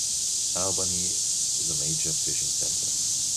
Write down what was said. Albany is a major fishing centre.